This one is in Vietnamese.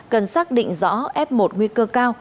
cần xác định rõ f một nguy cơ cao